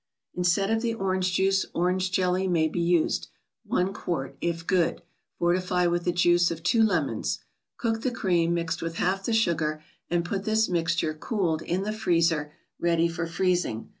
Instead of the orange juice, orange jelly may be used— one quart, if good ; fortify with the juice of two lemons. Cook the cream, mixed with half the sugar, and put this mixture, cooled, in the freezer, ready for freezing.